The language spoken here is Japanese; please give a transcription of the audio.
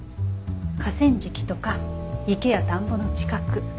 河川敷とか池や田んぼの近く。